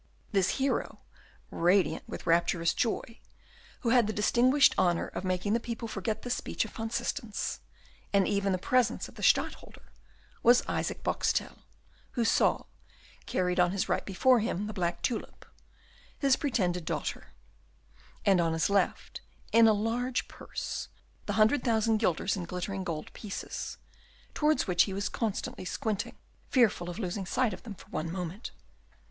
This hero, radiant with rapturous joy, who had the distinguished honour of making the people forget the speech of Van Systens, and even the presence of the Stadtholder, was Isaac Boxtel, who saw, carried on his right before him, the black tulip, his pretended daughter; and on his left, in a large purse, the hundred thousand guilders in glittering gold pieces, towards which he was constantly squinting, fearful of losing sight of them for one moment.